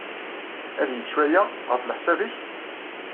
Ad yečč waya, ɣef leḥsab-nnek?